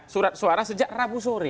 surat suara sejak rabu sore